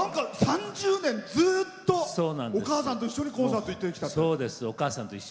３０年ずっとお母さんとコンサート行ってたそうで。